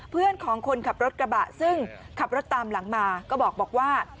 เพื่อนของคนขับรถกระบะซึ่งขับรถตามหลังมาก็บอกว่า